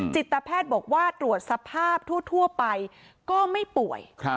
จิตแพทย์บอกว่าตรวจสภาพทั่วไปก็ไม่ป่วย